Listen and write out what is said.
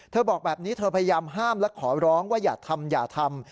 บอกแบบนี้เธอพยายามห้ามและขอร้องว่าอย่าทำอย่าทำ